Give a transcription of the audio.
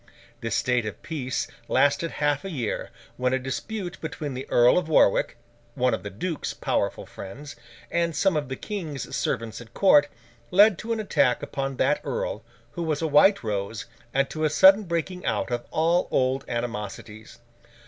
This state of peace lasted half a year, when a dispute between the Earl of Warwick (one of the Duke's powerful friends) and some of the King's servants at Court, led to an attack upon that Earl—who was a White Rose—and to a sudden breaking out of all old animosities.